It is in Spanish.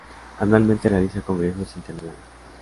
Anualmente realiza congresos internacionales.